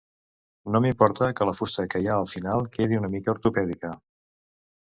No m'importa que la fusta que hi ha al final quedi una mica ortopèdica.